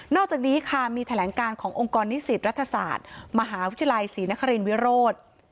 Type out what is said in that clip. อกจากนี้ค่ะมีแถลงการขององค์กรนิสิตรัฐศาสตร์มหาวิทยาลัยศรีนครินวิโรธ